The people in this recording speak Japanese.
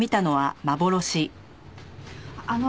あの。